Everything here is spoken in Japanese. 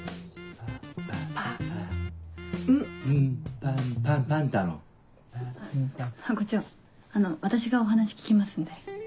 パンパンタロン？ハコ長あの私がお話聞きますんで。